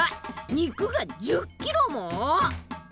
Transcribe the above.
肉が１０ｋｇも！？